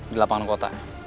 di lapangan kota